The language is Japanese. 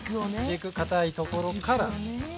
軸かたいところから。